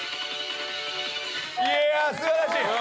いやあ素晴らしい！